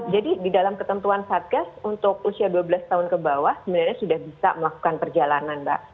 jadi di dalam ketentuan vaksin untuk usia dua belas tahun ke bawah sebenarnya sudah bisa melakukan perjalanan mbak